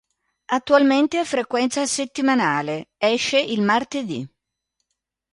Attualmente ha frequenza settimanale: esce il martedì.